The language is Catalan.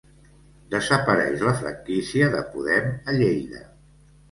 Desapareix la franquícia de Podem a Lleida